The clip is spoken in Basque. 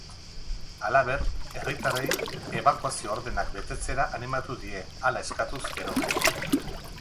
Halaber, herritarrei ebakuazio ordenak betetzera animatu die, hala eskatuz gero.